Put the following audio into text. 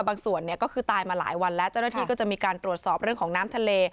บางส่วนเนี่ยก็คือตายมาหลายวันแล้วจังหวัดที่ก็จะมีการตรวจสอบเรื่องของน้ำทะเล